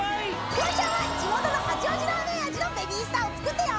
フワちゃんは地元の八王子ラーメン味のベビースターを作ったよ